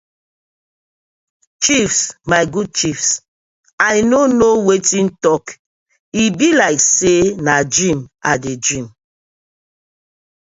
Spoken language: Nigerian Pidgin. Chiefs my good chiefs I no kno wetin tok e bi like say na dream I dey dream.